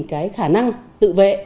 để tạo cho mình cái khả năng tự vệ